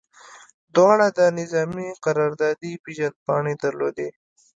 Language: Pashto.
دواړو د نظامي قراردادي پیژندپاڼې درلودې